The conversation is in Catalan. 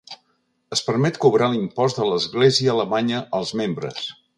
Es permet cobrar l'impost de l'església alemanya als membres.